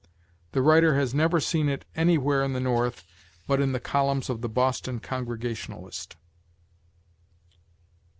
The writer has never seen it anywhere in the North but in the columns of the "Boston Congregationalist."